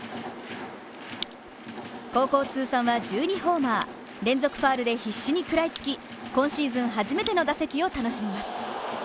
高校通算は１２ホーマー連続ファウルで必死に食らいつき、今シーズン初めての打席を楽しみます。